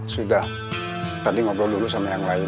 sudah tadi ngobrol dulu sama yang lain